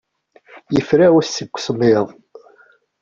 Yefrawes seg usemmiḍ.